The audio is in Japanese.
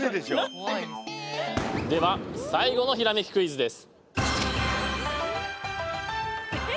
では最後のひらめきクイズです。